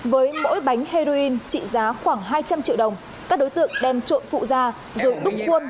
với mỗi bánh heroin trị giá khoảng hai trăm linh triệu đồng các đối tượng đem trộn phụ ra rồi đúc khuôn